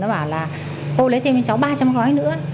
nó bảo là cô lấy thêm cho cháu ba trăm linh gói nữa